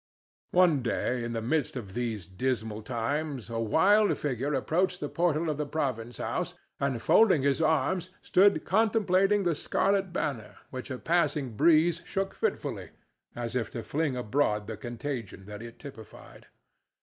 One day in the midst of these dismal times a wild figure approached the portal of the province house, and, folding his arms, stood contemplating the scarlet banner, which a passing breeze shook fitfully, as if to fling abroad the contagion that it typified.